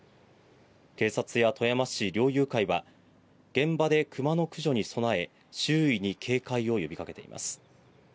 警察や富山市、猟友会は現場でクマの駆除に備え、周囲に警戒を呼び掛けています。